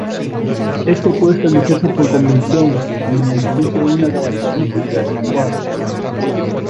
Esto puede establecerse por convención o mediante el uso de una característica del lenguaje.